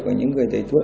của những người tài thuật